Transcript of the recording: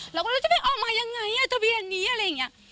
เราก็ไม่รู้จะไปเอามายังไงทะเบียนนี้อะไรอย่างนี้